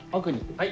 はい。